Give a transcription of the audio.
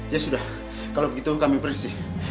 ya sudah kalau begitu kami bersih